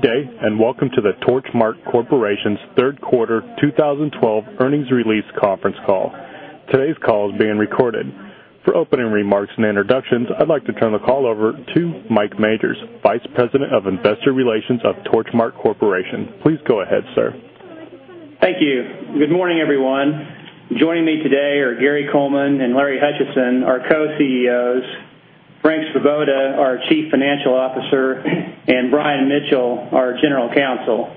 Good day, and welcome to the Torchmark Corporation's third quarter 2012 earnings release conference call. Today's call is being recorded. For opening remarks and introductions, I'd like to turn the call over to Mike Majors, Vice President of Investor Relations of Torchmark Corporation. Please go ahead, sir. Thank you. Good morning, everyone. Joining me today are Gary Coleman and Larry Hutchison, our Co-CEOs, Frank Svoboda, our Chief Financial Officer, and Brian Mitchell, our General Counsel.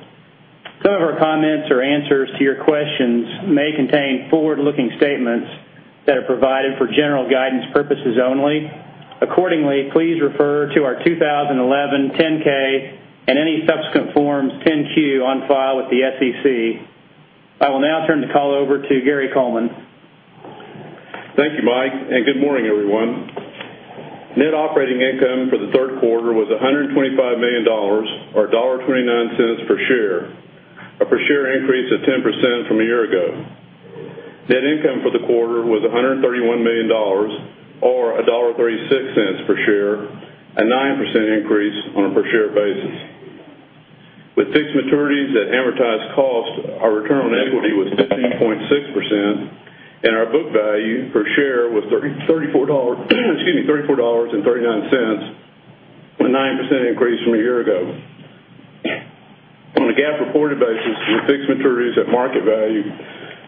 Some of our comments or answers to your questions may contain forward-looking statements that are provided for general guidance purposes only. Please refer to our 2011 10-K and any subsequent forms, 10-Q on file with the SEC. I will now turn the call over to Gary Coleman. Thank you, Mike. Good morning, everyone. Net operating income for the third quarter was $125 million or $1.29 per share, a per share increase of 10% from a year ago. Net income for the quarter was $131 million or $1.36 per share, a 9% increase on a per share basis. With fixed maturities at amortized cost, our return on equity was 15.6%, and our book value per share was $34.39, a 9% increase from a year ago. On a GAAP reported basis, with fixed maturities at market value,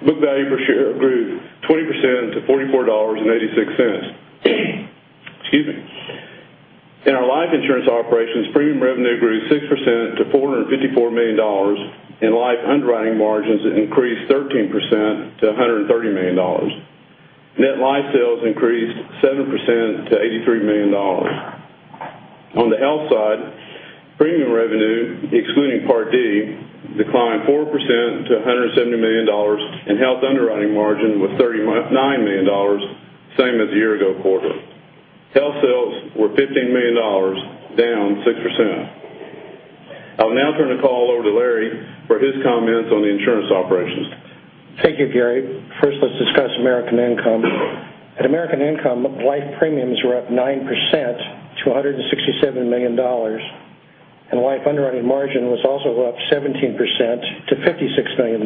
book value per share grew 20% to $44.86. Excuse me. In our life insurance operations, premium revenue grew 6% to $454 million, and life underwriting margins increased 13% to $130 million. Net life sales increased 7% to $83 million. On the health side, premium revenue, excluding Part D, declined 4% to $170 million. Health underwriting margin was $39 million, same as the year-ago quarter. Health sales were $15 million, down 6%. I will now turn the call over to Larry for his comments on the insurance operations. Thank you, Gary. First, let's discuss American Income. At American Income, life premiums were up 9% to $167 million, and life underwriting margin was also up 17% to $56 million.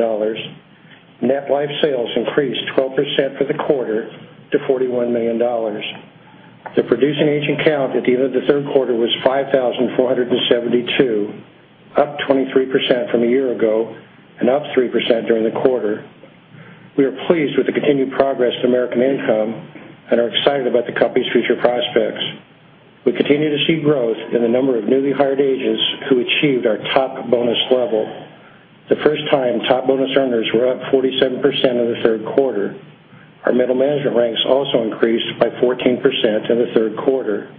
Net life sales increased 12% for the quarter to $41 million. The producing agent count at the end of the third quarter was 5,472, up 23% from a year ago and up 3% during the quarter. We are pleased with the continued progress at American Income and are excited about the company's future prospects. We continue to see growth in the number of newly hired agents who achieved our top bonus level. The first-time top bonus earners were up 47% in the third quarter. Our middle management ranks also increased by 14% in the third quarter.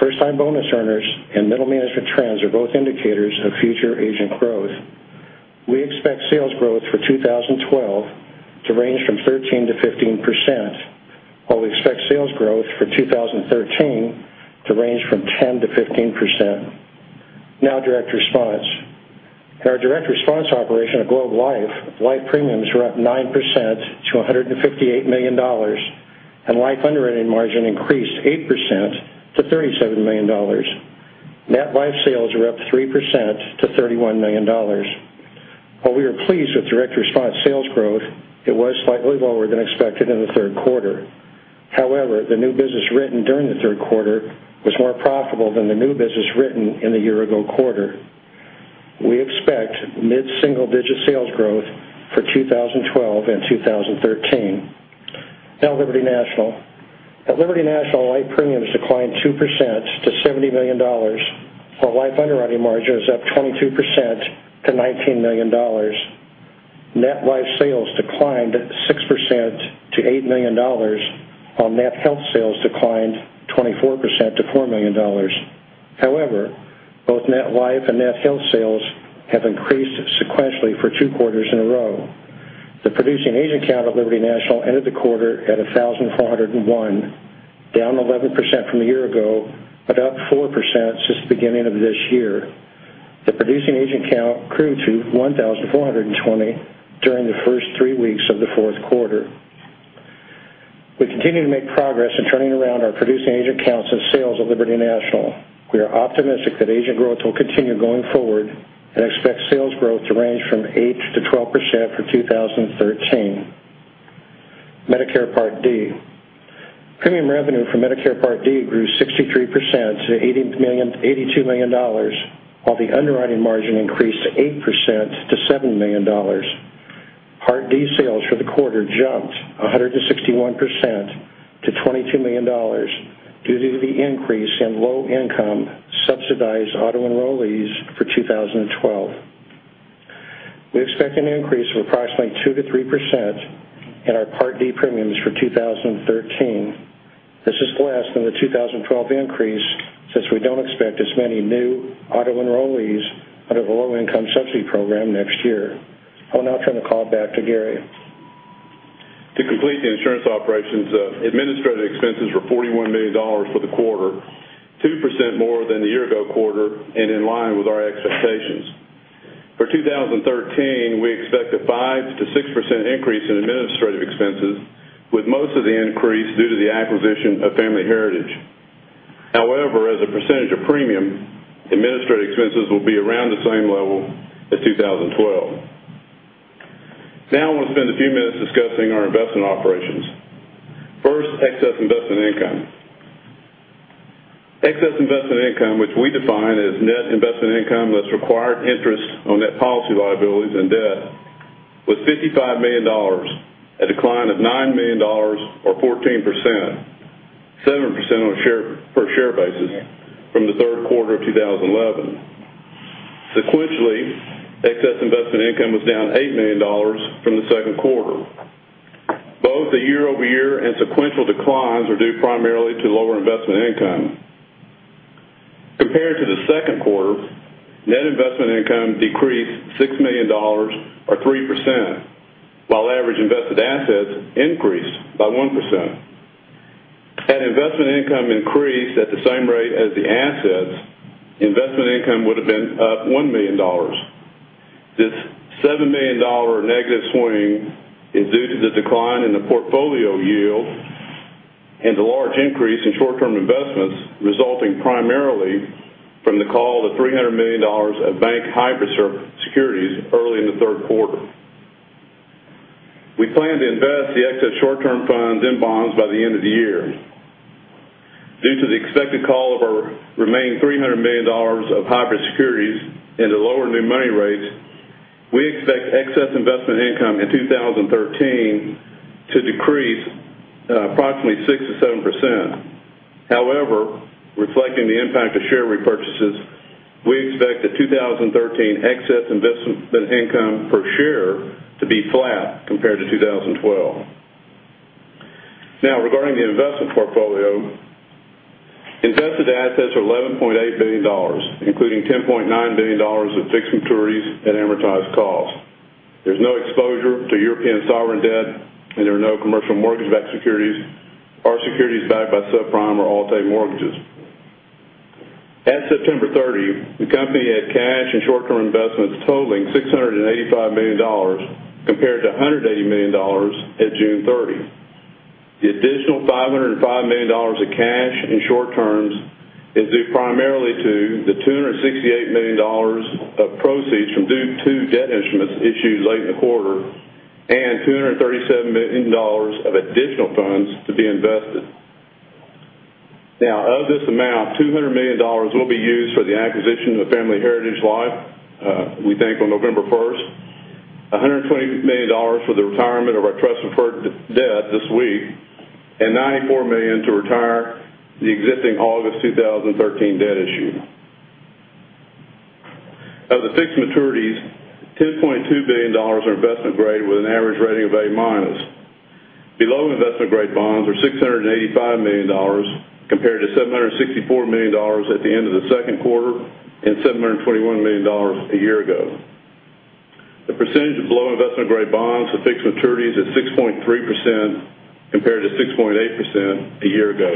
First-time bonus earners and middle management trends are both indicators of future agent growth. Direct Response. In our Direct Response operation at Globe Life, life premiums were up 9% to $158 million, and life underwriting margin increased 8% to $37 million. Net life sales were up 3% to $31 million. While we are pleased with Direct Response sales growth, it was slightly lower than expected in the third quarter. However, the new business written during the third quarter was more profitable than the new business written in the year-ago quarter. We expect mid-single-digit sales growth for 2012 and 2013. Liberty National. At Liberty National, life premiums declined 2% to $70 million, while life underwriting margin was up 22% to $19 million. Net life sales declined 6% to $8 million, while net health sales declined 24% to $4 million. However, both net life and net health sales have increased sequentially for two quarters in a row. The producing agent count at Liberty National ended the quarter at 1,401, down 11% from a year ago, but up 4% since the beginning of this year. The producing agent count grew to 1,420 during the first three weeks of the fourth quarter. We continue to make progress in turning around our producing agent counts and sales at Liberty National. We are optimistic that agent growth will continue going forward and expect sales growth to range from 8%-12% for 2013. Medicare Part D. Premium revenue for Medicare Part D grew 63% to $82 million, while the underwriting margin increased 8% to $7 million. Part D sales for the quarter jumped 161% to $22 million due to the increase in low-income subsidized auto enrollees for 2012. We expect an increase of approximately 2%-3% in our Part D premiums for 2013. This is less than the 2012 increase since we don't expect as many new auto enrollees under the low-income subsidy program next year. I will now turn the call back to Gary. To complete the insurance operations, administrative expenses were $41 million for the quarter, 2% more than the year-ago quarter, and in line with our expectations. For 2013, we expect a 5%-6% increase in administrative expenses, with most of the increase due to the acquisition of Family Heritage. However, as a percentage of premium, administrative expenses will be around the same level as 2012. I want to spend a few minutes discussing our investment operations. First, excess investment income. Excess investment income, which we define as net investment income, less required interest on net policy liabilities and debt, was $55 million, a decline of $9 million, or 14%, 7% on a per share basis from the third quarter of 2011. Sequentially, excess investment income was down $8 million from the second quarter. Both the year-over-year and sequential declines are due primarily to lower investment income. Compared to the second quarter, net investment income decreased $6 million, or 3%, while average invested assets increased by 1%. Had investment income increased at the same rate as the assets, investment income would've been up $1 million. This $7 million negative swing is due to the decline in the portfolio yield and the large increase in short-term investments, resulting primarily from the call of $300 million of bank hybrid securities early in the third quarter. We plan to invest the excess short-term funds in bonds by the end of the year. Due to the expected call of our remaining $300 million of hybrid securities and the lower new money rates, we expect excess investment income in 2013 to decrease approximately 6%-7%. However, reflecting the impact of share repurchases, we expect the 2013 excess investment income per share to be flat compared to 2012. Regarding the investment portfolio, invested assets are $11.8 billion, including $10.9 billion of fixed maturities at amortized cost. There's no exposure to European sovereign debt, and there are no commercial mortgage-backed securities or securities backed by subprime or alt-A mortgages. At September 30, the company had cash and short-term investments totaling $685 million, compared to $180 million at June 30. The additional $505 million of cash in short terms is due primarily to the $268 million of proceeds from due to debt instruments issued late in the quarter and $237 million of additional funds to be invested. Of this amount, $200 million will be used for the acquisition of Family Heritage Life, we think on November 1st, $120 million for the retirement of our trust preferred debt this week, and $94 million to retire the existing August 2013 debt issue. Of the fixed maturities, $10.2 billion are investment-grade with an average rating of A-. Below investment-grade bonds are $685 million, compared to $764 million at the end of the second quarter and $721 million a year ago. The percentage of below investment-grade bonds to fixed maturities is 6.3%, compared to 6.8% a year ago.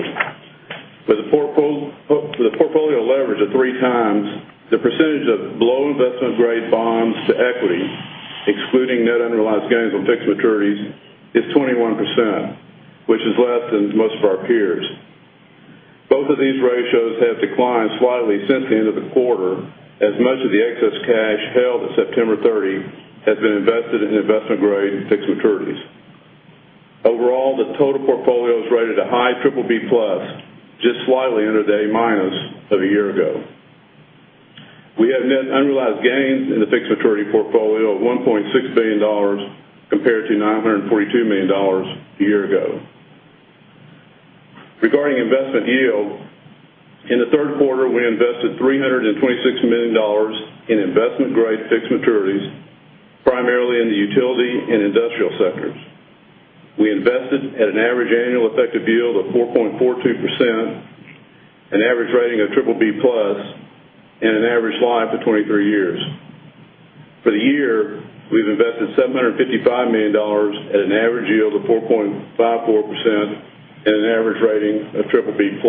With the portfolio leverage of three times, the percentage of below investment-grade bonds to equity, excluding net unrealized gains on fixed maturities, is 21%, which is less than most of our peers. Both of these ratios have declined slightly since the end of the quarter, as much of the excess cash held at September 30 has been invested in investment-grade fixed maturities. Overall, the total portfolio is rated at high BBB+, just slightly under the A- of a year ago. We have net unrealized gains in the fixed maturity portfolio of $1.6 billion, compared to $942 million a year ago. Regarding investment yield, in the third quarter, we invested $326 million in investment-grade fixed maturities, primarily in the utility and industrial sectors. We invested at an average annual effective yield of 4.42%, an average rating of BBB+, and an average life of 23 years. For the year, we've invested $755 million at an average yield of 4.54% and an average rating of BBB+.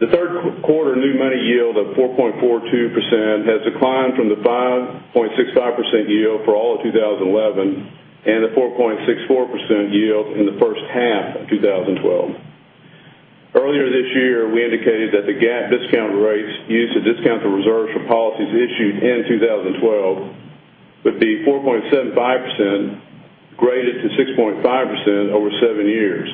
The third quarter new money yield of 4.42% has declined from the 5.65% yield for all of 2011 and the 4.64% yield in the first half of 2012. Earlier this year, we indicated that the GAAP discount rates used to discount the reserves for policies issued in 2012 would be 4.75%, graded to 6.5% over seven years.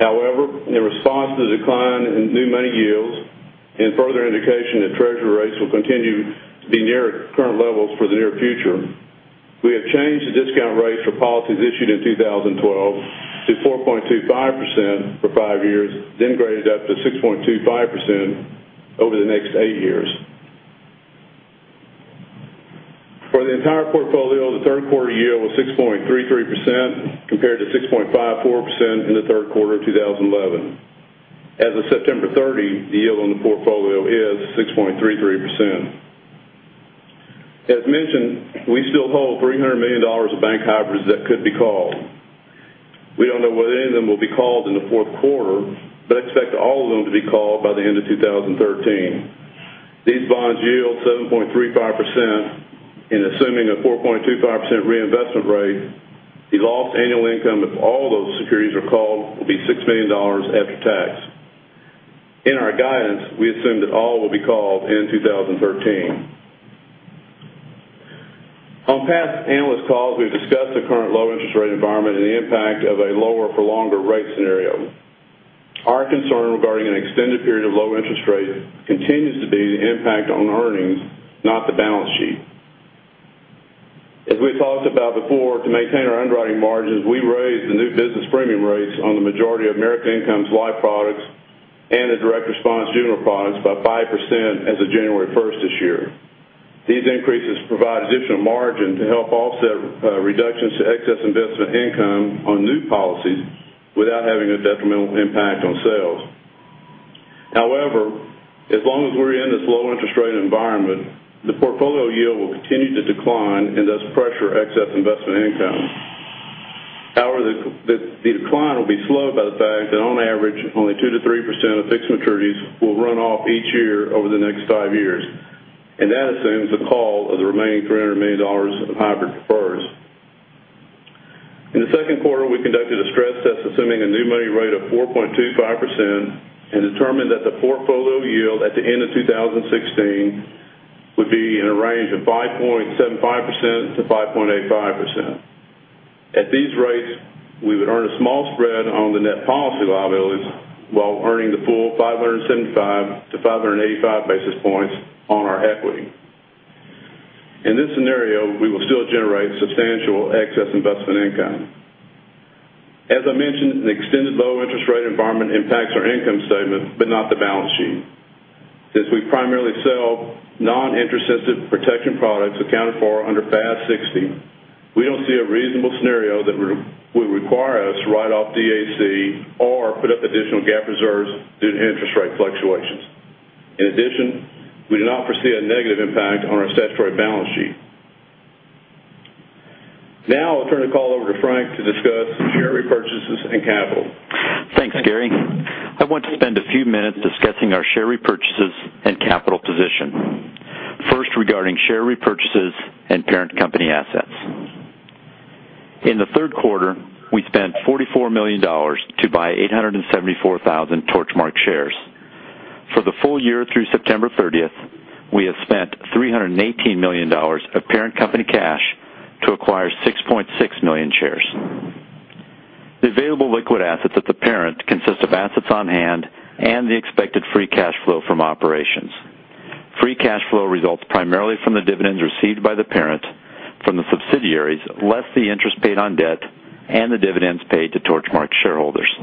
In response to the decline in new money yields and further indication that Treasury rates will continue to be near current levels for the near future, we have changed the discount rates for policies issued in 2012 to 4.25% for five years, then graded up to 6.25% over the next eight years. For the entire portfolio, the third quarter yield was 6.33%, compared to 6.54% in the third quarter of 2011. As of September 30, the yield on the portfolio is 6.33%. As mentioned, we still hold $300 million of bank hybrids that could be called. We don't know whether any of them will be called in the fourth quarter, but expect all of them to be called by the end of 2013. These bonds yield 7.35%. In assuming a 4.25% reinvestment rate, the lost annual income, if all those securities are called, will be $6 million after tax. In our guidance, we assume that all will be called in 2013. On past analyst calls, we've discussed the current low interest rate environment and the impact of a lower for longer rate scenario. Our concern regarding an extended period of low interest rates continues to be the impact on earnings, not the balance sheet. As we've talked about before, to maintain our underwriting margins, we raised the new business premium rates on the majority of American Income's life products and the Direct Response general products by 5% as of January 1st this year. These increases provide additional margin to help offset reductions to excess investment income on new policies without having a detrimental impact on sales. As long as we're in this low interest rate environment, the portfolio yield will continue to decline and thus pressure excess investment income. The decline will be slowed by the fact that on average, only 2%-3% of fixed maturities will run off each year over the next five years, and that assumes the call of the remaining $300 million of hybrid prefers. In the second quarter, we conducted a stress test assuming a new money rate of 4.25% and determined that the portfolio yield at the end of 2016 would be in a range of 5.75%-5.85%. At these rates, we would earn a small spread on the net policy liabilities while earning the full 575-585 basis points on our equity. In this scenario, we will still generate substantial excess investment income. As I mentioned, an extended low interest rate environment impacts our income statement, but not the balance sheet. Since we primarily sell non-interest sensitive protection products accounted for under FAS 60, we don't see a reasonable scenario that would require us to write off DAC or put up additional GAAP reserves due to interest rate fluctuations. In addition, we do not foresee a negative impact on our statutory balance sheet. Now I'll turn the call over to Frank Svoboda to discuss share repurchases and capital. Thanks, Gary Coleman. I want to spend a few minutes discussing our share repurchases and capital position. First, regarding share repurchases and parent company assets. In the third quarter, we spent $44 million to buy 874,000 Torchmark Corporation shares. For the full year through September 30th, we have spent $318 million of parent company cash to acquire 6.6 million shares. The available liquid assets at the parent consist of assets on hand and the expected free cash flow from operations. Free cash flow results primarily from the dividends received by the parent from the subsidiaries, less the interest paid on debt and the dividends paid to Torchmark Corporation shareholders.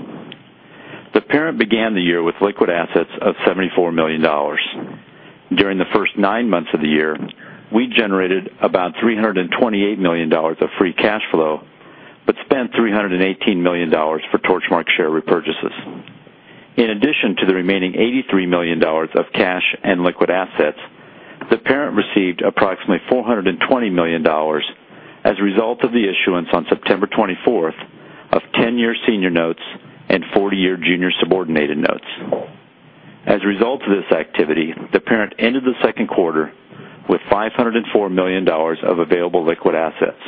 The parent began the year with liquid assets of $74 million. During the first nine months of the year, we generated about $328 million of free cash flow, but spent $318 million for Torchmark Corporation share repurchases. In addition to the remaining $83 million of cash and liquid assets, the parent received approximately $420 million as a result of the issuance on September 24th of 10-year senior notes and 40-year junior subordinated notes. As a result of this activity, the parent ended the second quarter with $504 million of available liquid assets,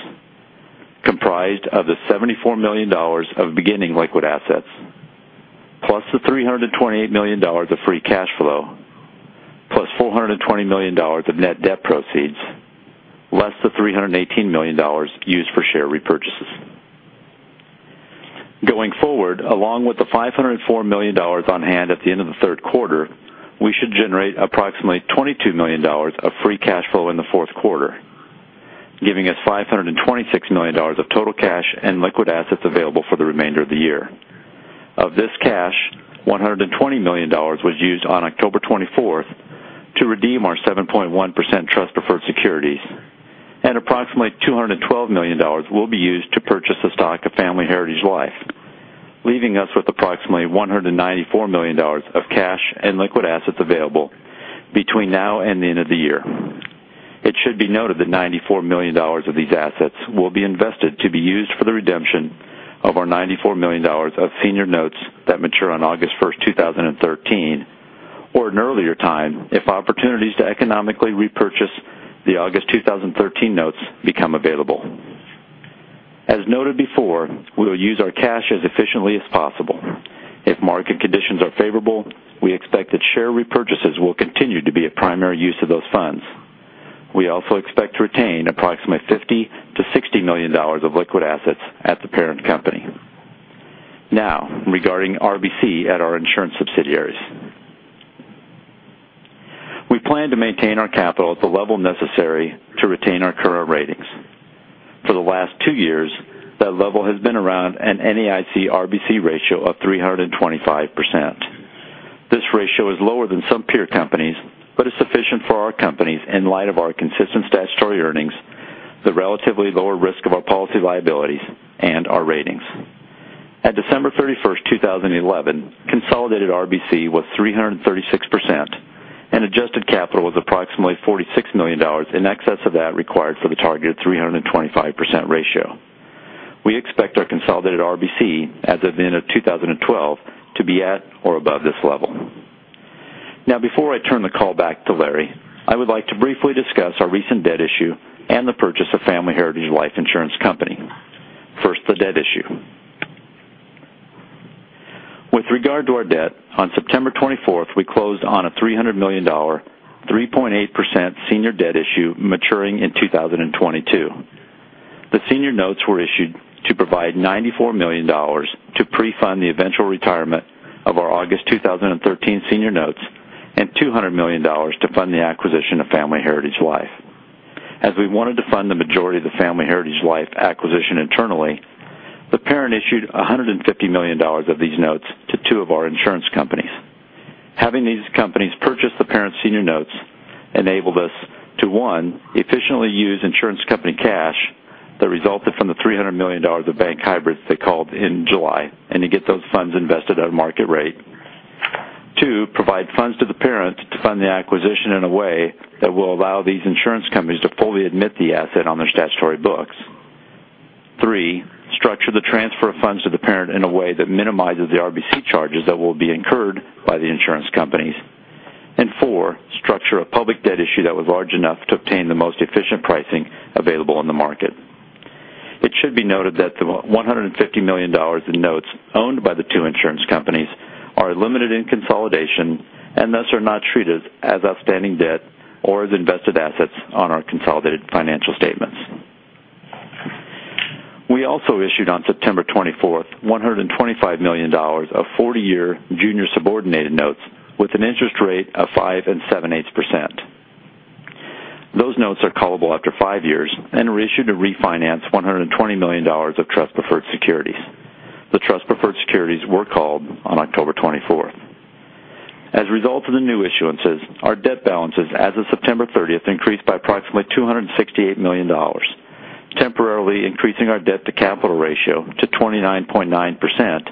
comprised of the $74 million of beginning liquid assets, plus the $328 million of free cash flow, plus $420 million of net debt proceeds, less the $318 million used for share repurchases. Going forward, along with the $504 million on hand at the end of the third quarter, we should generate approximately $22 million of free cash flow in the fourth quarter, giving us $526 million of total cash and liquid assets available for the remainder of the year. Of this cash, $120 million was used on October 24th to redeem our 7.1% trust preferred securities, and approximately $212 million will be used to purchase the stock of Family Heritage Life Insurance Company of America, leaving us with approximately $194 million of cash and liquid assets available between now and the end of the year. It should be noted that $94 million of these assets will be invested to be used for the redemption of our $94 million of senior notes that mature on August 1st, 2013, or an earlier time if opportunities to economically repurchase the August 2013 notes become available. As noted before, we will use our cash as efficiently as possible. If market conditions are favorable, we expect that share repurchases will continue to be a primary use of those funds. We also expect to retain approximately $50 million to $60 million of liquid assets at the parent company. Now, regarding RBC at our insurance subsidiaries. We plan to maintain our capital at the level necessary to retain our current ratings. For the last two years, that level has been around an NAIC RBC ratio of 325%. This ratio is lower than some peer companies, but is sufficient for our companies in light of our consistent statutory earnings, the relatively lower risk of our policy liabilities, and our ratings. At December 31st, 2011, consolidated RBC was 336%, and adjusted capital was approximately $46 million in excess of that required for the targeted 325% ratio. We expect our consolidated RBC as of the end of 2012 to be at or above this level. Now, before I turn the call back to Larry, I would like to briefly discuss our recent debt issue and the purchase of Family Heritage Life Insurance Company. First, the debt issue. With regard to our debt, on September 24th, we closed on a $300 million, 3.8% senior debt issue maturing in 2022. The senior notes were issued to provide $94 million to pre-fund the eventual retirement of our August 2013 senior notes and $200 million to fund the acquisition of Family Heritage Life. As we wanted to fund the majority of the Family Heritage Life acquisition internally, the parent issued $150 million of these notes to two of our insurance companies. Having these companies purchase the parent senior notes enabled us to, one, efficiently use insurance company cash that resulted from the $300 million of bank hybrids they called in July and to get those funds invested at a market rate. Two, provide funds to the parent to fund the acquisition in a way that will allow these insurance companies to fully admit the asset on their statutory books. Three, structure the transfer of funds to the parent in a way that minimizes the RBC charges that will be incurred by the insurance companies. Four, structure a public debt issue that was large enough to obtain the most efficient pricing available on the market. It should be noted that the $150 million in notes owned by the two insurance companies are limited in consolidation and thus are not treated as outstanding debt or as invested assets on our consolidated financial statements. We also issued on September 24th, $125 million of 40-year junior subordinated notes with an interest rate of 5 7/8%. Those notes are callable after five years and were issued to refinance $120 million of trust preferred securities. The trust preferred securities were called on October 24th. As a result of the new issuances, our debt balances as of September 30th increased by approximately $268 million, temporarily increasing our debt-to-capital ratio to 29.9%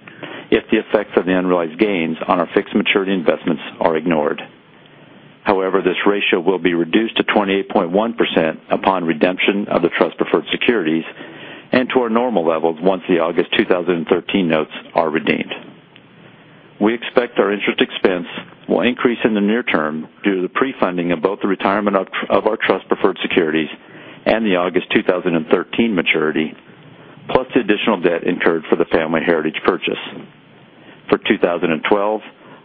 if the effects of the unrealized gains on our fixed maturity investments are ignored. This ratio will be reduced to 28.1% upon redemption of the trust preferred securities and to our normal levels once the August 2013 notes are redeemed. We expect our interest expense will increase in the near term due to the pre-funding of both the retirement of our trust preferred securities and the August 2013 maturity, plus the additional debt incurred for the Family Heritage purchase. For 2012,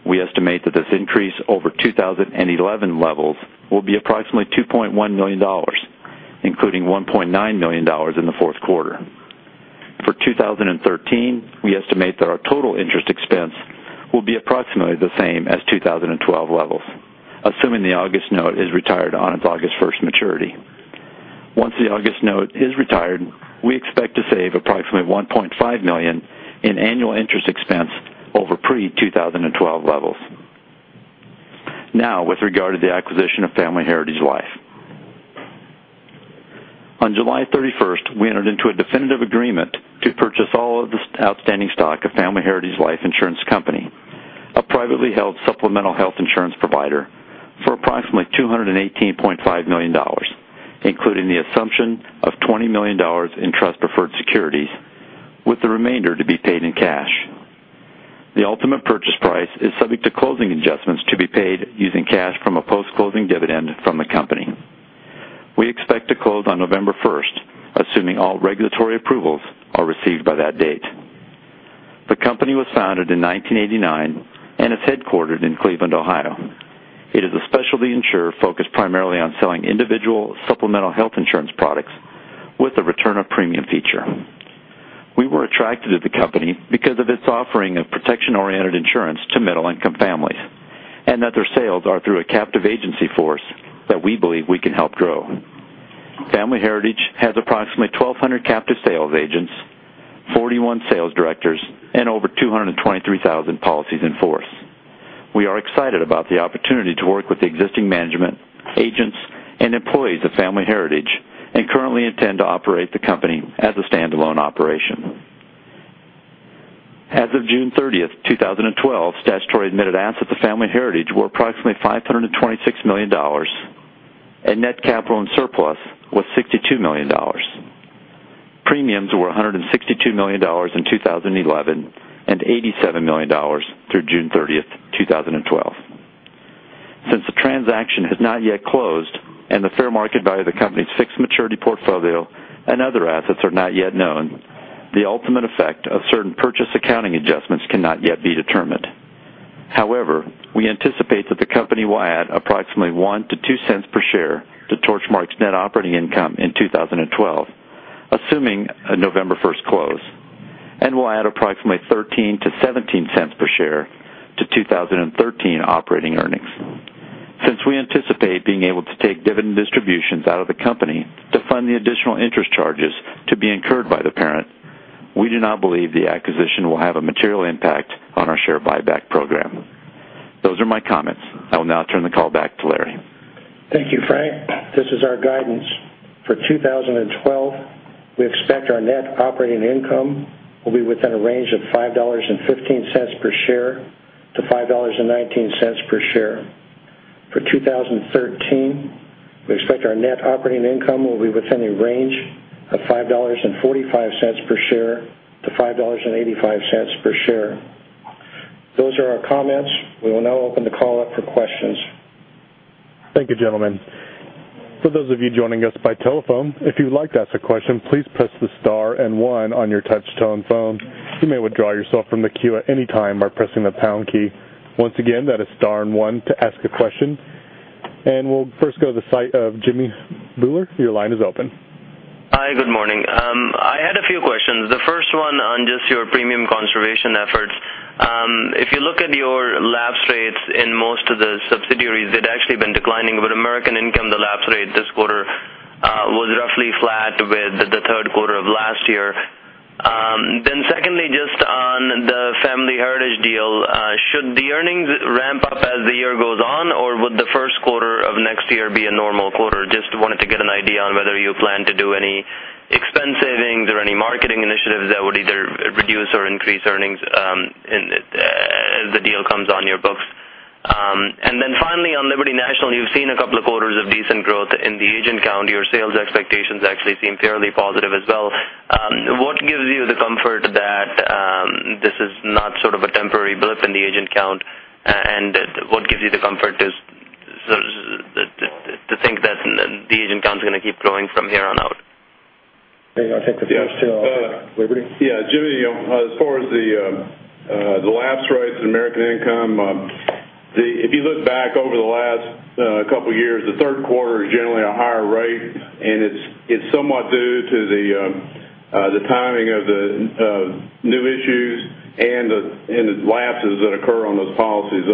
we estimate that this increase over 2011 levels will be approximately $2.1 million, including $1.9 million in the fourth quarter. For 2013, we estimate that our total interest expense will be approximately the same as 2012 levels, assuming the August note is retired on its August 1st maturity. Once the August note is retired, we expect to save approximately $1.5 million in annual interest expense over pre-2012 levels. With regard to the acquisition of Family Heritage Life. On July 31st, we entered into a definitive agreement to purchase all of the outstanding stock of Family Heritage Life Insurance Company, a privately held supplemental health insurance provider, for approximately $218.5 million, including the assumption of $20 million in trust preferred securities with the remainder to be paid in cash. The ultimate purchase price is subject to closing adjustments to be paid using cash from a post-closing dividend from the company. We expect to close on November 1st, assuming all regulatory approvals are received by that date. The company was founded in 1989 and is headquartered in Cleveland, Ohio. It is a specialty insurer focused primarily on selling individual supplemental health insurance products with a return of premium feature. We were attracted to the company because of its offering of protection-oriented insurance to middle-income families, and that their sales are through a captive agency force that we believe we can help grow. Family Heritage has approximately 1,200 captive sales agents, 41 sales directors, and over 223,000 policies in force. We are excited about the opportunity to work with the existing management, agents, and employees of Family Heritage and currently intend to operate the company as a standalone operation. As of June 30th, 2012, statutory admitted assets of Family Heritage were approximately $526 million and net capital and surplus was $62 million. Premiums were $162 million in 2011 and $87 million through June 30th, 2012. Since the transaction has not yet closed and the fair market value of the company's fixed maturity portfolio and other assets are not yet known, the ultimate effect of certain purchase accounting adjustments cannot yet be determined. However, we anticipate that the company will add approximately $0.01-$0.02 per share to Torchmark's net operating income in 2012, assuming a November 1st close, and will add approximately $0.13-$0.17 per share to 2013 operating earnings. Since we anticipate being able to take dividend distributions out of the company to fund the additional interest charges to be incurred by the parent, we do not believe the acquisition will have a material impact on our share buyback program. Those are my comments. I will now turn the call back to Larry. Thank you, Frank. This is our guidance. For 2012, we expect our net operating income will be within a range of $5.15 per share-$5.19 per share. For 2013, we expect our net operating income will be within a range of $5.45 per share-$5.85 per share. Those are our comments. We will now open the call up for questions. Thank you, gentlemen. For those of you joining us by telephone, if you'd like to ask a question, please press the star and one on your touch-tone phone. You may withdraw yourself from the queue at any time by pressing the pound key. Once again, that is star and one to ask a question. We'll first go to the site of Jimmy Bhullar. Your line is open. Hi, good morning. I had a few questions. The first one on just your premium conservation efforts. If you look at your lapse rates in most of the subsidiaries, they'd actually been declining. With American Income, the lapse rate this quarter was roughly flat with the third quarter of last year. Secondly, just on the Family Heritage deal, should the earnings ramp up as the year goes on, or would the first quarter of next year be a normal quarter? Just wanted to get an idea on whether you plan to do any expense savings or any marketing initiatives that would either reduce or increase earnings as the deal comes on your books. Finally, on Liberty National, you've seen a couple of quarters of decent growth in the agent count. Your sales expectations actually seem fairly positive as well. What gives you the comfort that this is not sort of a temporary blip in the agent count? What gives you the comfort to think that the agent count is going to keep growing from here on out? I think the first two are Liberty. Yeah, Jimmy, as far as the lapse rates in American Income, if you look back over the last couple of years, the third quarter is generally a higher rate, and it's somewhat due to the timing of the new issues and the lapses that occur on those policies.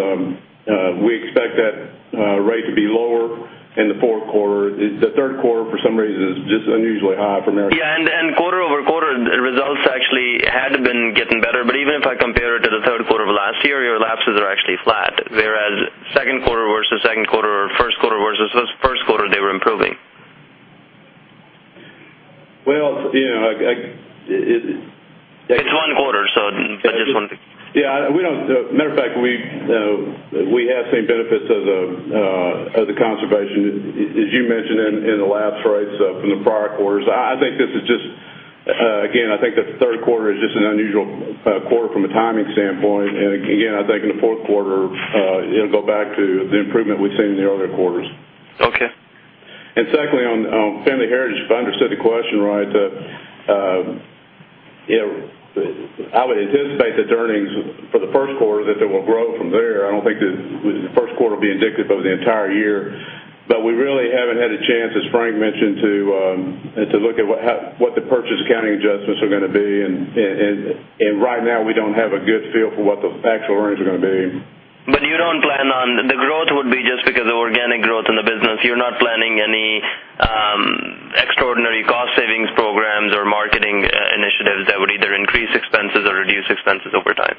We expect that rate to be lower in the fourth quarter. The third quarter, for some reason, is just unusually high for American. Yeah, quarter-over-quarter results actually had been getting better. Even if I compare it to the third quarter of last year, your lapses are actually flat, whereas second quarter versus second quarter or first quarter versus first quarter, they were improving. Well. It's one quarter, so I just wanted to Matter of fact, we have seen benefits of the conservation, as you mentioned, in the lapse rates from the prior quarters. Again, I think that the third quarter is just an unusual quarter from a timing standpoint. Again, I think in the fourth quarter, it'll go back to the improvement we've seen in the other quarters. Okay. Secondly, on Family Heritage, if I understood the question right, I would anticipate that the earnings for the first quarter, that they will grow from there. I don't think the first quarter will be indicative of the entire year. We really haven't had a chance, as Frank mentioned, to look at what the purchase accounting adjustments are going to be. Right now, we don't have a good feel for what those actual earnings are going to be. You don't plan on the growth would be just because of organic growth in the business? You're not planning any extraordinary cost savings programs or marketing initiatives that would either increase expenses or reduce expenses over time?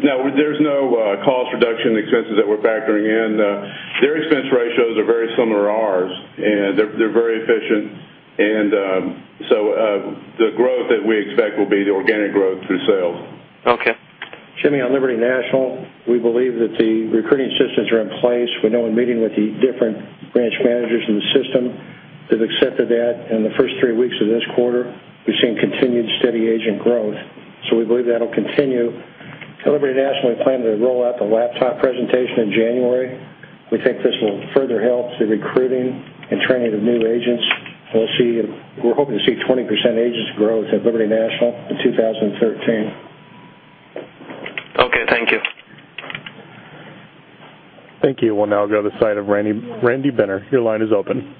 No, there's no cost reduction expenses that we're factoring in. Their expense ratios are very similar to ours, and they're very efficient. The growth that we expect will be the organic growth through sales. Okay. Jimmy, on Liberty National, we believe that the recruiting systems are in place. We know in meeting with the different branch managers in the system, they've accepted that. In the first three weeks of this quarter, we've seen continued steady agent growth. We believe that'll continue. At Liberty National, we plan to roll out the laptop presentation in January. We think this will further help the recruiting and training of new agents. We're hoping to see 20% agent growth at Liberty National in 2013. Okay, thank you. Thank you. We'll now go to the site of Randy Binner. Your line is open.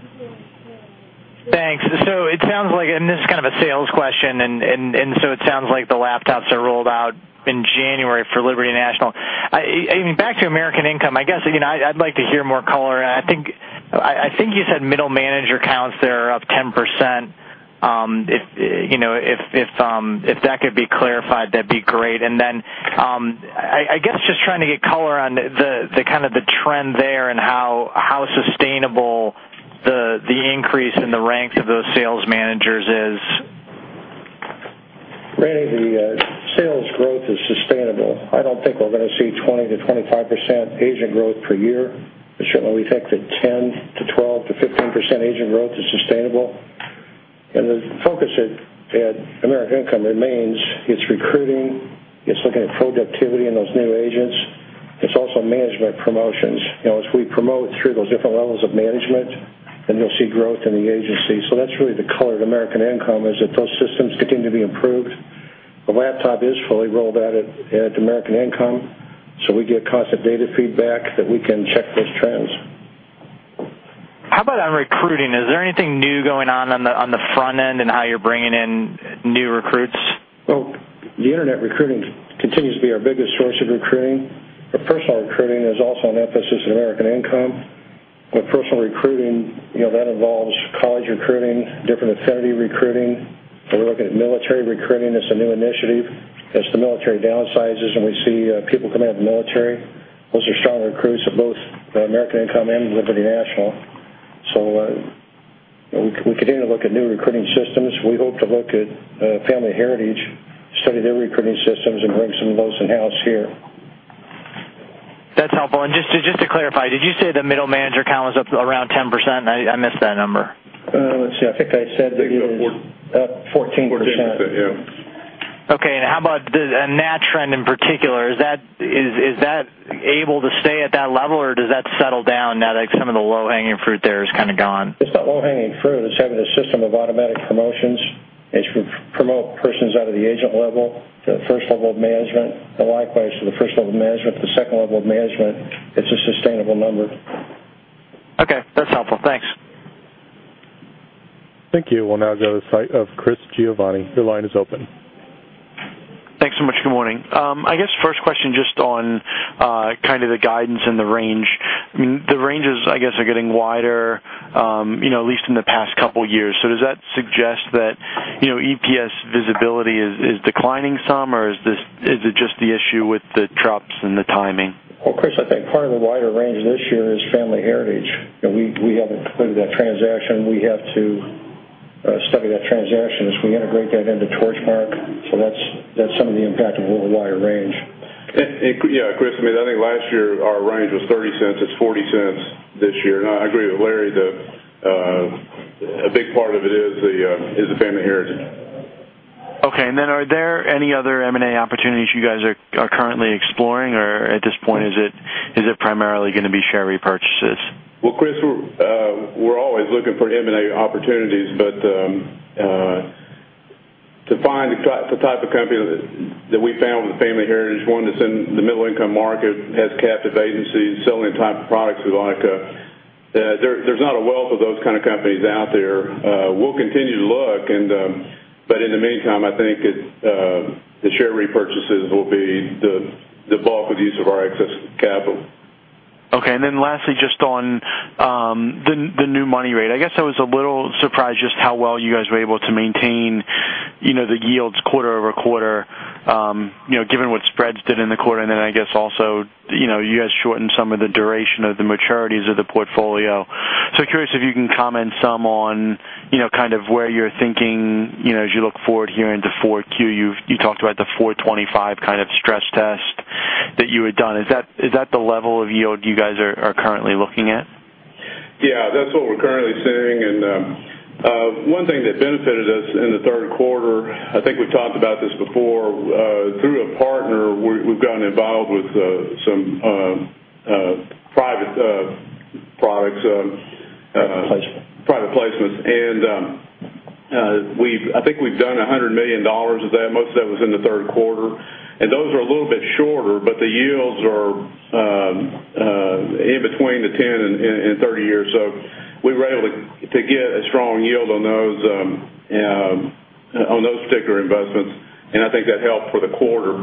Thanks. This is kind of a sales question, it sounds like the laptops are rolled out in January for Liberty National. Back to American Income, I guess I'd like to hear more color. I think you said middle manager counts there are up 10%. If that could be clarified, that'd be great. I guess just trying to get color on the kind of the trend there and how sustainable the increase in the ranks of those sales managers is. Randy, the sales growth is sustainable. I don't think we're going to see 20%-25% agent growth per year, but certainly we think that 10%-12%-15% agent growth is sustainable. The focus at American Income remains, it's recruiting, it's looking at productivity in those new agents. It's also management promotions. As we promote through those different levels of management, you'll see growth in the agency. That's really the color of American Income is that those systems continue to be improved. The laptop is fully rolled out at American Income, we get constant data feedback that we can check those trends. How about on recruiting? Is there anything new going on on the front end in how you're bringing in new recruits? Well, the internet recruiting continues to be our biggest source of recruiting. Personal recruiting is also an emphasis at American Income. With personal recruiting, that involves college recruiting, different affinity recruiting. We're looking at military recruiting as a new initiative. As the military downsizes and we see people coming out of the military, those are strong recruits of both American Income and Liberty National. We continue to look at new recruiting systems. We hope to look at Family Heritage, study their recruiting systems, and bring some of those in-house here. That's helpful. Just to clarify, did you say the middle manager count was up around 10%? I missed that number. Let's see. I think I said that it was up 14%. 14%, yeah. Okay. How about the Nat trend in particular? Is that able to stay at that level, or does that settle down now that some of the low-hanging fruit there is kind of gone? It's not low-hanging fruit. It's having a system of automatic promotions. It's to promote persons out of the agent level to the 1st level of management, and likewise to the 1st level of management to the 2nd level of management. It's a sustainable number. Okay. That's helpful. Thanks. Thank you. We'll now go to the site of Chris Giovanni. Your line is open. Thanks so much. Good morning. I guess first question just on kind of the guidance and the range. The ranges, I guess, are getting wider at least in the past couple of years. Does that suggest that EPS visibility is declining some, or is it just the issue with the drops and the timing? Chris, I think part of the wider range this year is Family Heritage. We haven't completed that transaction. We have to study that transaction as we integrate that into Torchmark. That's some of the impact of a little wider range. Yeah, Chris, I mean, I think last year our range was $0.30. It's $0.40 this year. I agree with Larry that a big part of it is the Family Heritage. Okay. Are there any other M&A opportunities you guys are currently exploring, or at this point, is it primarily going to be share repurchases? Well, Chris, we're always looking for M&A opportunities, to find the type of company that we found with Family Heritage, one that's in the middle-income market, has captive agencies, selling the type of products we like, there's not a wealth of those kind of companies out there. We'll continue to look, in the meantime, I think the share repurchases will be the bulk of use of our excess capital. Okay. Lastly, just on the new money rate. I guess I was a little surprised just how well you guys were able to maintain the yields quarter-over-quarter given what spreads did in the quarter, I guess also you guys shortened some of the duration of the maturities of the portfolio. Curious if you can comment some on kind of where you're thinking as you look forward here into 4Q. You talked about the 425 kind of stress test that you had done. Is that the level of yield you guys are currently looking at? Yeah, that's what we're currently seeing, and one thing that benefited us in the third quarter, I think we've talked about this before, through a partner, we've gotten involved with some private products. Private placement. Private placements. I think we've done $100 million of that. Most of that was in the third quarter. Those are a little bit shorter, but the yields are in between the 10 and 30 years. We were able to get a strong yield on those particular investments, and I think that helped for the quarter.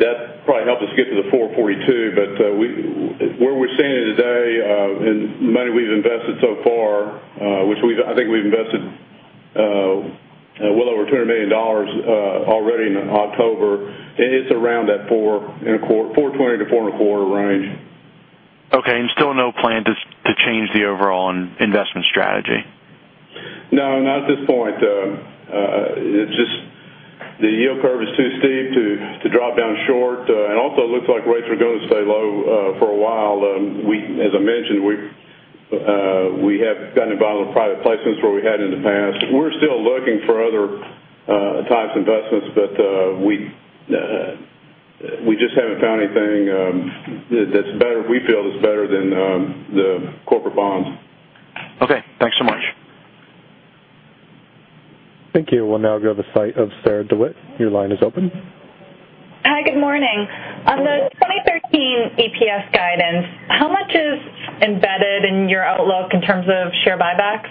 That probably helped us get to the 442. Where we're standing today, and money we've invested so far, which I think we've invested well over $200 million already in October, it's around that 420-425 range. Okay, still no plan to change the overall investment strategy? No, not at this point. The yield curve is too steep to drop down short. Also it looks like rates are going to stay low for a while. As I mentioned, we have gotten involved in private placements where we hadn't in the past. We're still looking for other types of investments, we just haven't found anything that we feel is better than the corporate bonds. Okay. Thanks so much. Thank you. We'll now go to the site of Sarah DeWitt. Your line is open. Hi, good morning. On the 2013 EPS guidance, how much is embedded in your outlook in terms of share buybacks?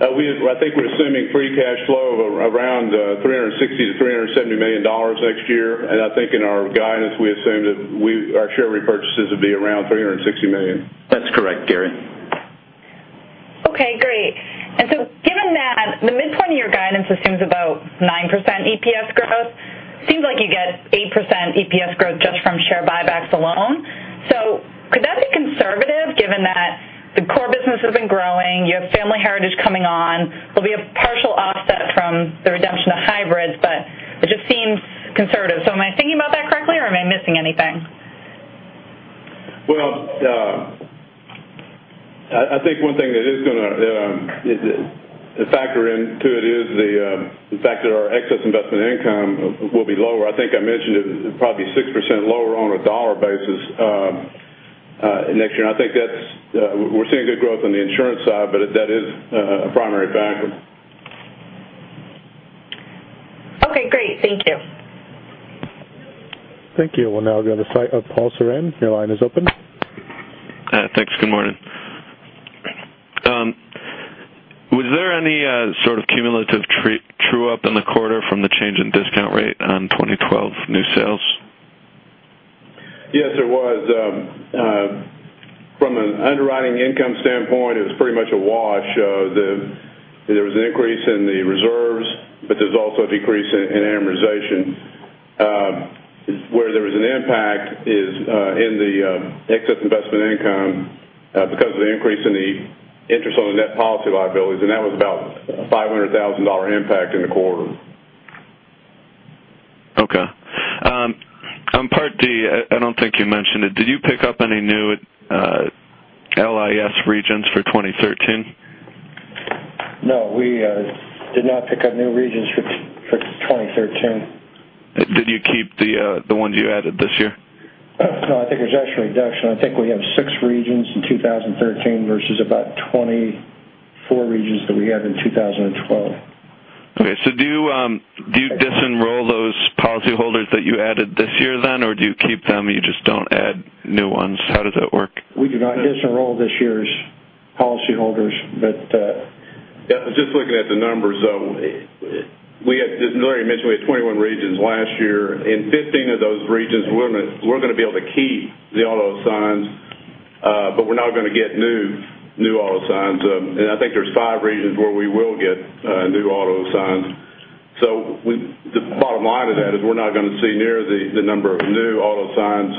I think we're assuming free cash flow of around $360 million-$370 million next year. I think in our guidance, we assume that our share repurchases would be around $360 million. That's correct, Gary. Okay, great. Given that the midpoint of your guidance assumes about 9% EPS growth, seems like you get 8% EPS growth just from share buybacks alone. Could that be conservative given that the core business has been growing, you have Family Heritage coming on? There'll be a partial offset from the redemption of hybrids, it just seems conservative. Am I thinking about that correctly, or am I missing anything? Well, I think one thing that is going to factor into it is the fact that our excess investment income will be lower. I think I mentioned it, probably 6% lower on a dollar basis next year. I think we're seeing good growth on the insurance side, that is a primary factor. Okay, great. Thank you. Thank you. We'll now go to the line of Paul Sarran. Your line is open. Thanks. Good morning. Was there any sort of cumulative true-up in the quarter from the change in discount rate on 2012 new sales? Yes, there was. From an underwriting income standpoint, it was pretty much a wash. There was an increase in the reserves. There's also a decrease in amortization. Where there was an impact is in the excess investment income because of the increase in the interest on the net policy liabilities. That was about a $500,000 impact in the quarter. Okay. On Part D, I don't think you mentioned it. Did you pick up any new LIS regions for 2013? No, we did not pick up new regions for 2013. Did you keep the ones you added this year? No, I think there's actually a reduction. I think we have six regions in 2013 versus about 24 regions that we had in 2012. Okay, do you disenroll those policyholders that you added this year then, or do you keep them, you just don't add new ones? How does that work? We do not disenroll this year's policyholders. Yeah, just looking at the numbers, as Larry mentioned, we had 21 regions last year. In 15 of those regions, we're going to be able to keep the auto assigned, but we're not going to get new auto assigned. I think there's five regions where we will get new auto assigned. The bottom line of that is we're not going to see near the number of new auto assigned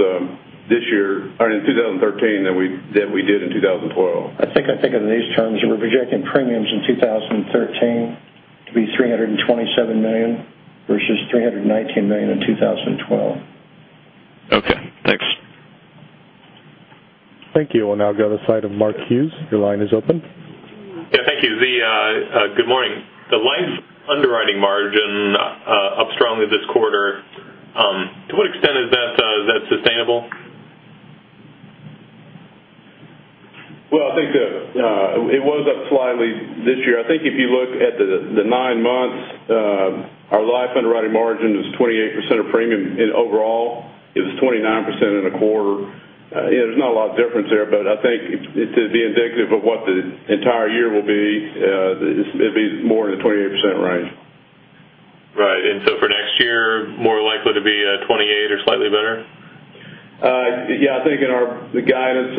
this year or in 2013 than we did in 2012. I think of it in these terms. We're projecting premiums in 2013 to be $327 million versus $319 million in 2012. Okay, thanks. Thank you. We'll now go to the side of Mark Hughes. Your line is open. Yeah, thank you. Team, good morning. The life underwriting margin up strongly this quarter. To what extent is that sustainable? Well, I think that it was up slightly this year. I think if you look at the nine months, our life underwriting margin is 28% of premium in overall. It was 29% in a quarter. There's not a lot of difference there, but I think to be indicative of what the entire year will be, it'd be more in the 28% range. For next year, more likely to be a 28% or slightly better? Yeah, I think in our guidance,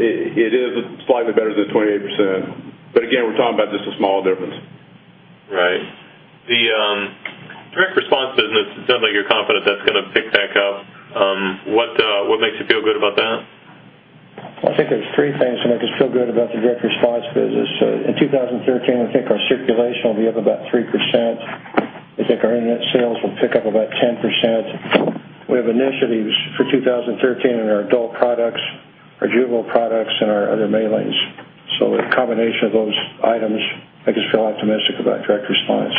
it is slightly better than 28%. Again, we're talking about just a small difference. Right. The Direct Response business, it sounds like you're confident that's going to pick back up. What makes you feel good about that? I think there's three things that make us feel good about the Direct Response business. In 2013, we think our circulation will be up about 3%. We think our internet sales will pick up about 10%. We have initiatives for 2013 in our adult products, our juvenile products, and our other mailings. A combination of those items makes us feel optimistic about Direct Response.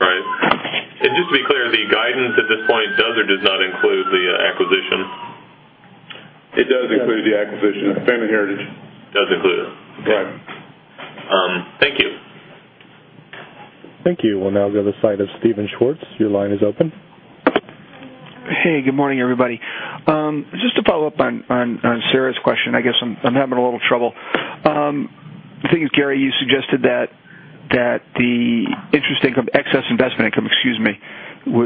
Right. Just to be clear, the guidance at this point does or does not include the acquisition? It does include the acquisition of Family Heritage. Does include it? Right. Thank you. Thank you. We'll now go to the side of Steven Schwartz. Your line is open. Hey, good morning, everybody. Just to follow up on Sarah's question, I guess I'm having a little trouble. I think it was Gary, you suggested that the excess investment income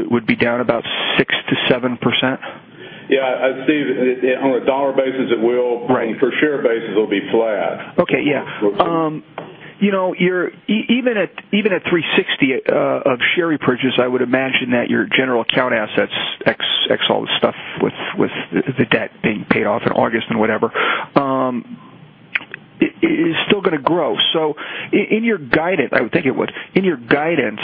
would be down about 6%-7%? Yeah, Steve, on a dollar basis, it will. Right. On a per share basis, it'll be flat. Okay, yeah. Even at $360 of share repurchase, I would imagine that your general account assets, X all the stuff with the debt being paid off in August and whatever, is still going to grow. I would think it would. In your guidance,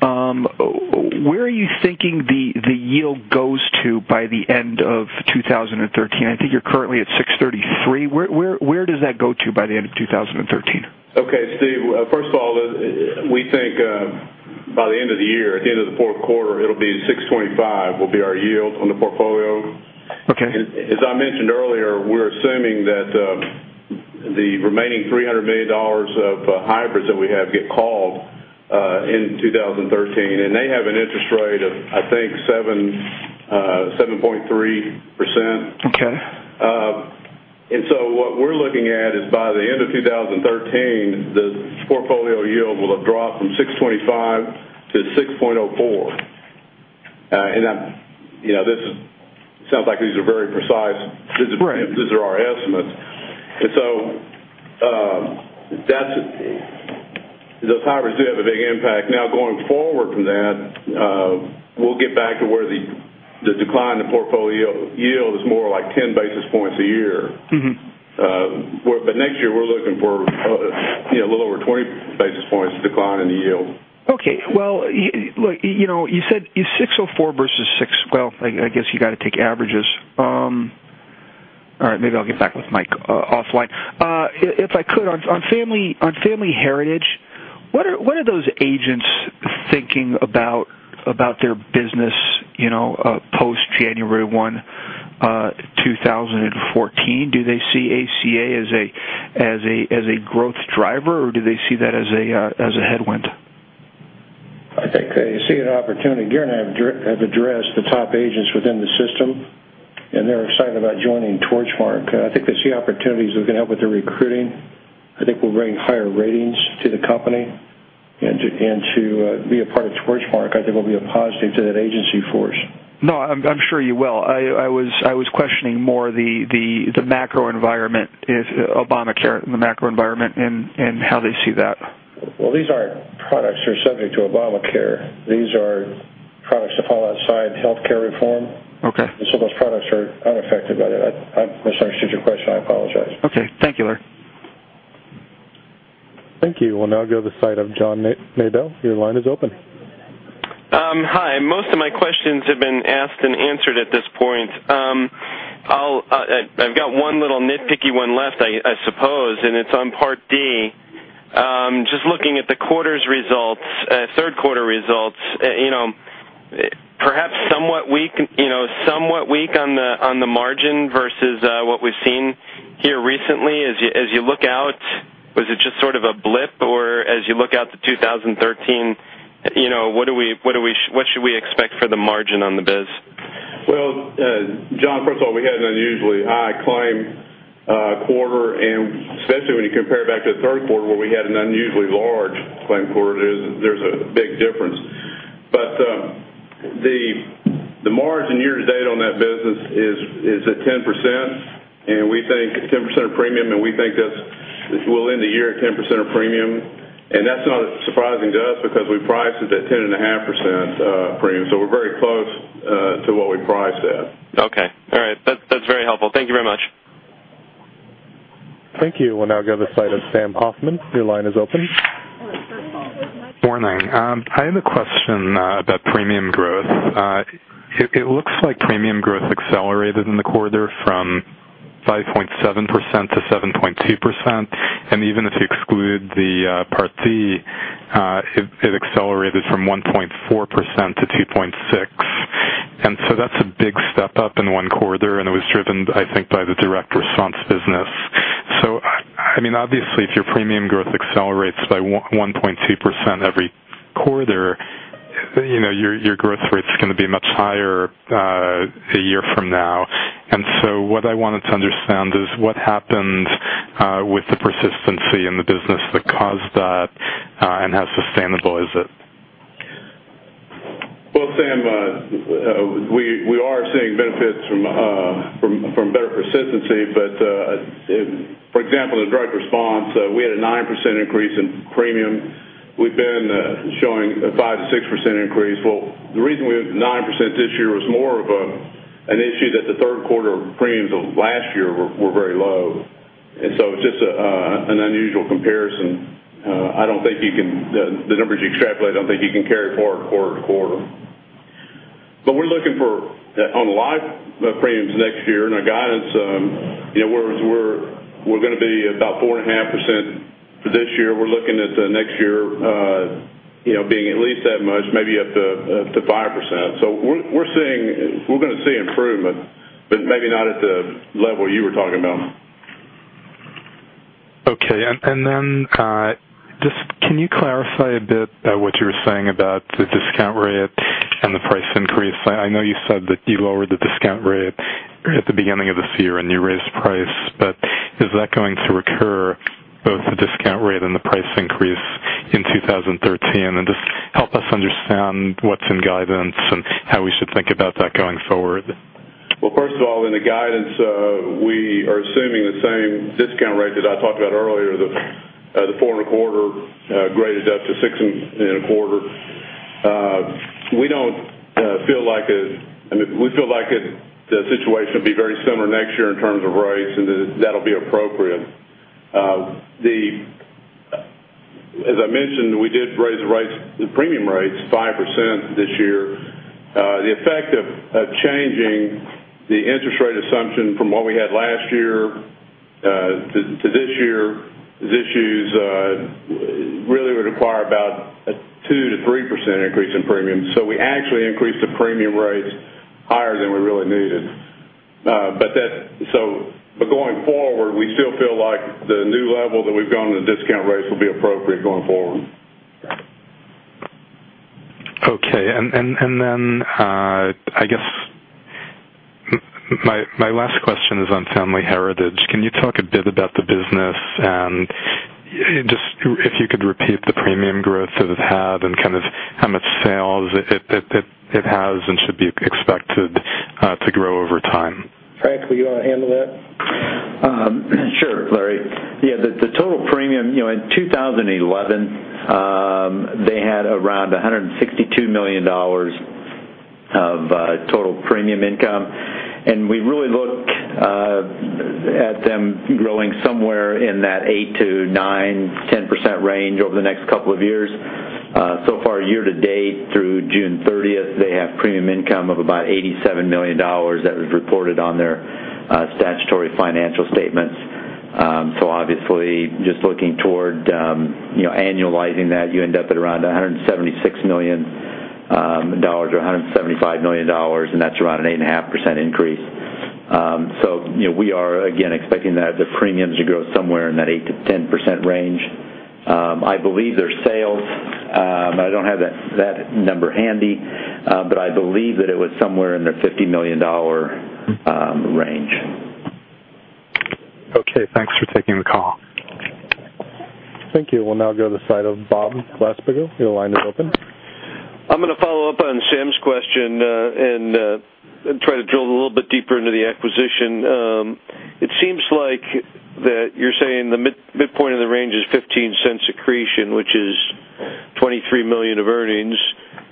where are you thinking the yield goes to by the end of 2013? I think you're currently at 6.33%. Where does that go to by the end of 2013? Okay, Steve, first of all, we think by the end of the year, at the end of the fourth quarter, it'll be 6.25% will be our yield on the portfolio. Okay. As I mentioned earlier, we're assuming that the remaining $300 million of hybrids that we have get called in 2013, and they have an interest rate of, I think, 7.3%. Okay. What we're looking at is by the end of 2013, the portfolio yield will have dropped from 625 to 6.04. It sounds like these are very precise. Right. These are our estimates. Those hybrids do have a big impact. Going forward from that, we'll get back to where the decline in portfolio yield is more like 10 basis points a year. Next year, we're looking for a little over 20 basis points decline in the yield. Okay. Well, you said 6.04 versus 6. Well, I guess you got to take averages. All right. Maybe I'll get back with Mike offline. If I could, on Family Heritage, what are those agents thinking about their business post January 1, 2014? Do they see ACA as a growth driver, or do they see that as a headwind? I think they see an opportunity. Gary and I have addressed the top agents within the system, and they're excited about joining Torchmark. I think they see opportunities that can help with their recruiting. I think we'll bring higher ratings to the company and to be a part of Torchmark, I think will be a positive to that agency force. I'm sure you will. I was questioning more the macro environment, if Obamacare and the macro environment and how they see that. Well, these aren't products that are subject to Obamacare. These are products that fall outside healthcare reform. Okay. Those products are unaffected by that. I misunderstood your question. I apologize. Okay. Thank you, Larry. Thank you. We'll now go to the side of John Nadel. Your line is open. Hi. Most of my questions have been asked and answered at this point. I've got one little nitpicky one left, I suppose, and it's on Part D. Just looking at the quarter's results, third quarter results, perhaps somewhat weak on the margin versus what we've seen here recently. As you look out, was it just sort of a blip or as you look out to 2013, what should we expect for the margin on the biz? Well, John, first of all, we had an unusually high claim quarter and especially when you compare it back to the third quarter where we had an unusually large claim quarter, there's a big difference. The margin year to date on that business is at 10%, and we think it's 10% of premium, and we think this will end the year at 10% of premium. That's not surprising to us because we priced it at 10.5% premium. We're very close to what we priced at. Okay. All right. That's very helpful. Thank you very much. Thank you. We'll now go to the side of Sam Hoffman. Your line is open. Morning. I have a question about premium growth. It looks like premium growth accelerated in the quarter from 5.7% to 7.2%, and even if you exclude the Part D, it accelerated from 1.4% to 2.6%. That's a big step up in one quarter, and it was driven, I think, by the Direct Response business. Obviously if your premium growth accelerates by 1.2% every quarter, your growth rate's going to be much higher a year from now. What I wanted to understand is what happened with the persistency in the business that caused that, and how sustainable is it? Well, Sam, we are seeing benefits from better persistency. For example, in the Direct Response, we had a 9% increase in premium. We've been showing a 5% to 6% increase. Well, the reason we have the 9% this year was more of an issue that the third quarter premiums of last year were very low. It's just an unusual comparison. The numbers you extrapolate, I don't think you can carry forward quarter to quarter. We're looking for on life premiums next year and our guidance, we're going to be about 4.5% for this year. We're looking at the next year being at least that much, maybe up to 5%. We're going to see improvement, but maybe not at the level you were talking about. Okay, just can you clarify a bit about what you were saying about the discount rate and the price increase? I know you said that you lowered the discount rate at the beginning of this year, you raised price, is that going to recur both the discount rate and the price increase in 2013? Just help us understand what's in guidance and how we should think about that going forward. Well, first of all, in the guidance, we are assuming the same discount rate that I talked about earlier, the 4.25 graded up to 6.25. We feel like the situation will be very similar next year in terms of rates, and that'll be appropriate. As I mentioned, we did raise the premium rates 5% this year. The effect of changing the interest rate assumption from what we had last year to this year is issues really would require about a 2% to 3% increase in premiums. We actually increased the premium rates higher than we really needed. Going forward, we still feel like the new level that we've gone on the discount rates will be appropriate going forward. Okay, I guess my last question is on Family Heritage. Can you talk a bit about the business and just if you could repeat the premium growth that it had and kind of how much sales it has and should be expected to grow over time? Frank, will you want to handle that? Sure, Larry. Yeah, the total premium in 2011, they had around $162 million of total premium income, and we really look at them growing somewhere in that 8% to 9%, 10% range over the next couple of years. Year to date through June 30th, they have premium income of about $87 million that was reported on their statutory financial statements. Obviously, just looking toward annualizing that, you end up at around $176 million $175 million, and that's around an 8.5% increase. We are, again, expecting the premiums to grow somewhere in that 8%-10% range. I believe their sales, I don't have that number handy, but I believe that it was somewhere in the $50 million range. Okay, thanks for taking the call. Thank you. We'll now go to the side of Bob Glasspiegel. Your line is open. I'm going to follow up on Sam's question and try to drill a little bit deeper into the acquisition. It seems like that you're saying the midpoint of the range is $0.15 accretion, which is $23 million of earnings,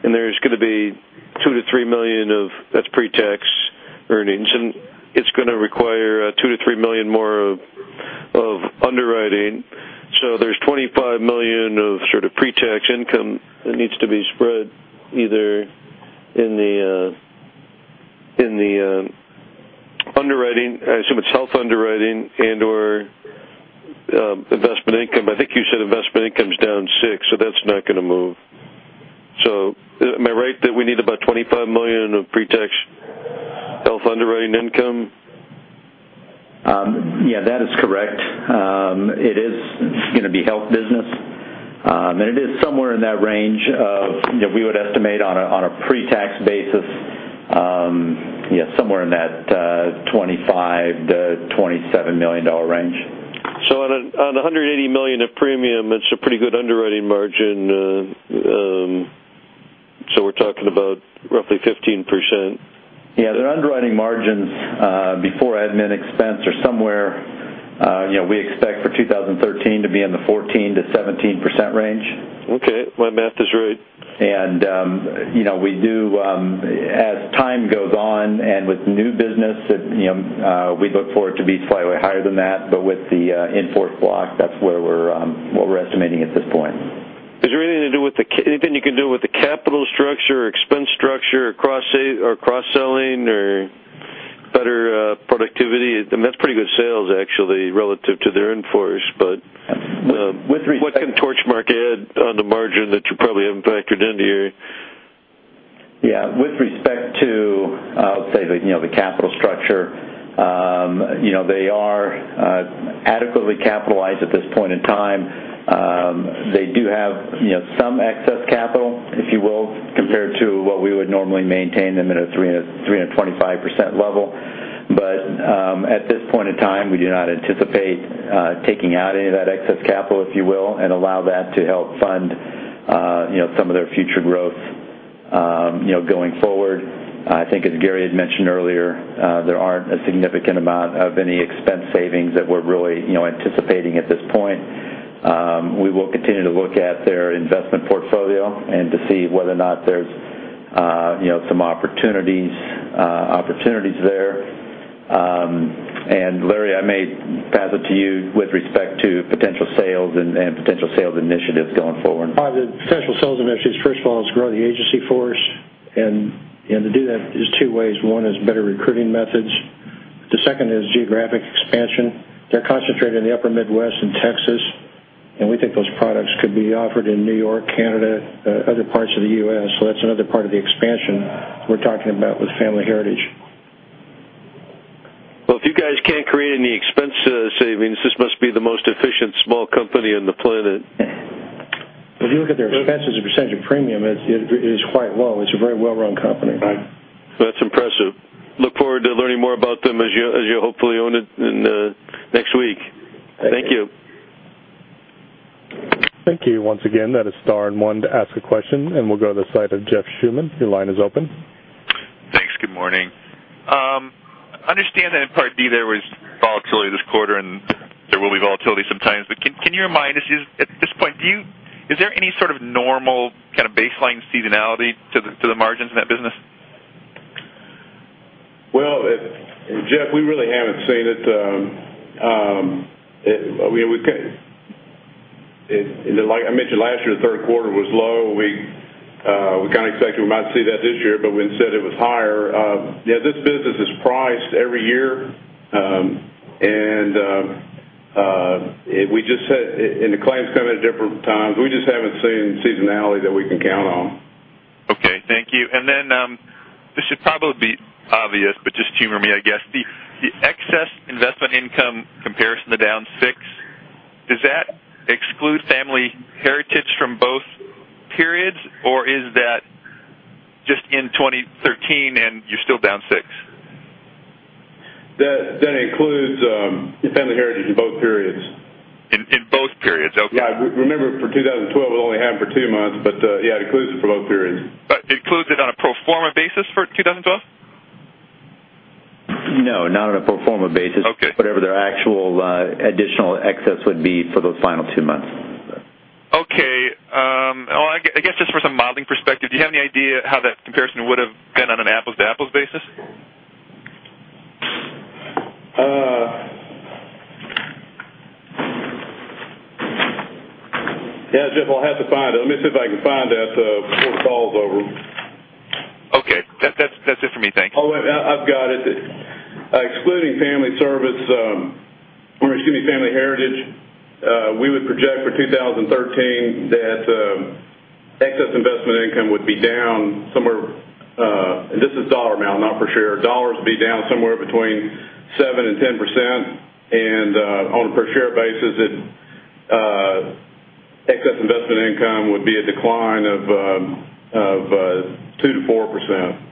and there's going to be $2 million-$3 million of that's pre-tax earnings. It's going to require $2 million-$3 million more of underwriting. There's $25 million of sort of pre-tax income that needs to be spread either in the underwriting, I assume it's health underwriting and/or investment income. I think you said investment income's down 6, so that's not going to move. Am I right that we need about $25 million of pre-tax health underwriting income? Yeah, that is correct. It is going to be health business. It is somewhere in that range of, we would estimate on a pre-tax basis, somewhere in that $25 million-$27 million range. On $180 million of premium, it's a pretty good underwriting margin. We're talking about roughly 15%. Yeah, their underwriting margins before admin expense are somewhere, we expect for 2013 to be in the 14%-17% range. Okay. My math is right. As time goes on, and with new business, we look for it to be slightly higher than that. With the in-force block, that's what we're estimating at this point. Is there anything you can do with the capital structure or expense structure or cross-selling or better productivity? I mean, that's pretty good sales, actually, relative to their in-force. With respect- What can Torchmark add on the margin that you probably haven't factored into here? With respect to, I would say, the capital structure, they are adequately capitalized at this point in time. They do have some excess capital, if you will, compared to what we would normally maintain them at a 3%-25% level. At this point in time, we do not anticipate taking out any of that excess capital, if you will, and allow that to help fund some of their future growth going forward. I think, as Gary had mentioned earlier, there aren't a significant amount of any expense savings that we're really anticipating at this point. We will continue to look at their investment portfolio and to see whether or not there's some opportunities there. Larry, I may pass it to you with respect to potential sales and potential sales initiatives going forward. The potential sales initiatives, first of all, is to grow the agency force. To do that is two ways. One is better recruiting methods. The second is geographic expansion. They're concentrated in the upper Midwest and Texas. We think those products could be offered in New York, Canada, other parts of the U.S. That's another part of the expansion we're talking about with Family Heritage. Well, if you guys can't create any expense savings, this must be the most efficient small company on the planet. If you look at their expenses as a % of premium, it is quite low. It's a very well-run company. That's impressive. Look forward to learning more about them as you hopefully own it in the next week. Thank you. Thank you. Once again, that is star and one to ask a question. We'll go to the side of Jeff Schuman. Your line is open. Thanks. Good morning. Understand that in Part D there was volatility this quarter. There will be volatility sometimes. Can you remind us at this point, is there any sort of normal kind of baseline seasonality to the margins in that business? Well, Jeff, we really haven't seen it. Like I mentioned last year, the third quarter was low. We kind of expected we might see that this year. Instead it was higher. This business is priced every year. The claims come in at different times. We just haven't seen seasonality that we can count on. Okay. Thank you. This should probably be obvious, but just humor me, I guess. The excess investment income comparison to down six, does that exclude Family Heritage from both periods, or is that just in 2013 and you're still down six? That includes Family Heritage in both periods. In both periods. Okay. Yeah. Remember for 2012, it was only half or two months. It includes it for both periods. Includes it on a pro forma basis for 2012? No, not on a pro forma basis. Okay. Whatever their actual additional excess would be for those final two months. Okay. I guess just for some modeling perspective, do you have any idea how that comparison would have been on an apples-to-apples basis? Yeah, Jeff, I'll have to find it. Let me see if I can find that before the call's over. Okay. That's it for me. Thank you. Oh, wait, I've got it. Excluding Family Heritage, we would project for 2013 that excess investment income would be down somewhere, and this is dollar amount, not per share. Dollars would be down somewhere between 7% and 10%. On a per share basis, excess investment income would be a decline of 2% to 4%.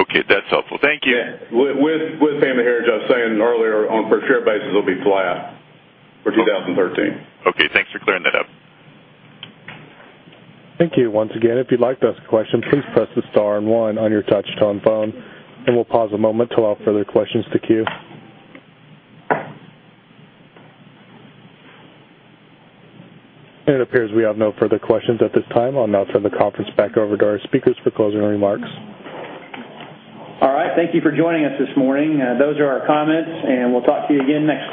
Okay. That's helpful. Thank you. With Family Heritage, I was saying earlier on a per share basis, it will be flat for 2013. Okay. Thanks for clearing that up. Thank you. Once again, if you would like to ask a question, please press the star and one on your touch-tone phone. We will pause a moment to allow further questions to queue. It appears we have no further questions at this time. I will now turn the conference back over to our speakers for closing remarks. All right. Thank you for joining us this morning. Those are our comments, and we will talk to you again next quarter.